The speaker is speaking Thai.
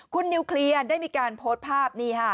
คุณนิวเคลียร์ได้มีการโพสต์ภาพนี่ค่ะ